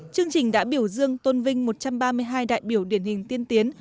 chương trình đã biểu dương tôn vinh một trăm ba mươi hai đại biểu điển hình tiên tiến